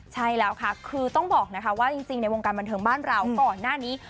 ใช่แล้วค่ะคือต้องบอกนะคะว่าจริงในวงการบันเทิงบ้านเราก่อนหน้านี้